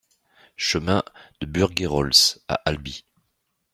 Chemin de Burgayrols à Albi